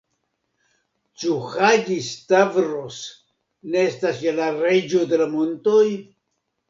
Ĉu Haĝi-Stavros ne estas ja la Reĝo de la montoj?